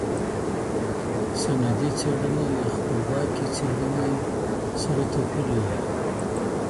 سندي څېړنه له خپلواکې څيړني سره توپیر لري.